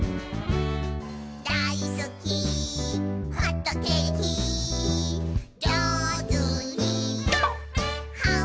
「だいすきホットケーキ」「じょうずにはんぶんこ！」